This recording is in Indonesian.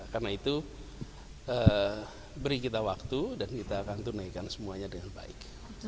karena itu beri kita waktu dan kita akan tunaikan semuanya dengan baik